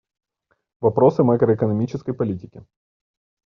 Вопросы макроэкономической политики.